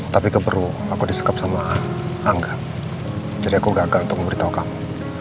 tapi keperlu aku disekap sama angga jadi aku gagal untuk memberitahu kamu